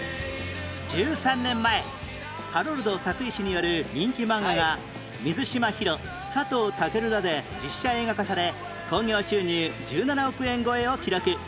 １３年前ハロルド作石による人気漫画が水嶋ヒロ佐藤健らで実写映画化され興行収入１７億円超えを記録